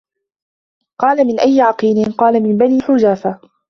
قَالَ مِنْ أَيِّ عَقِيلٍ ؟ قَالَ مِنْ بَنِي خَفَاجَةَ